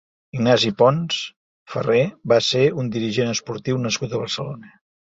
Ignasi Pons Ferrer va ser un dirigent esportiu nascut a Barcelona.